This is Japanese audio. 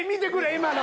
今の。